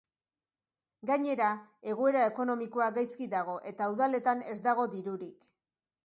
Gainera, egoera ekonomikoa gaizki dago eta udaletan ez dago dirurik.